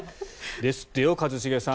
ですってよ、一茂さん。